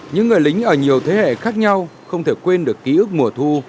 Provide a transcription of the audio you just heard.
những người lính ở nhiều thế hệ khác nhau không thể quên được ký ức mùa thu